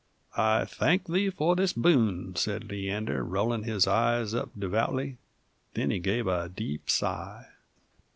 "I thank Thee for this boon," sez Leander, rollin' his eyes up devoutly; then he gave a deep sigh.